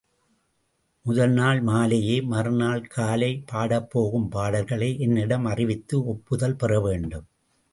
முதல் நாள் மாலையே, மறுநாள் காலை பாடப்போகும் பாடல்களை என்னிடம் அறிவித்து ஒப்புதல் பெறவேண்டும்.